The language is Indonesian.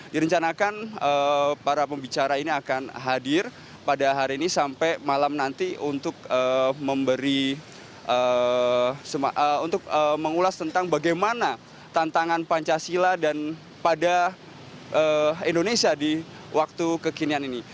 direncanakan para pembicara ini akan hadir pada hari ini sampai malam nanti untuk memberi untuk mengulas tentang bagaimana tantangan pancasila dan pada indonesia di waktu kekinian ini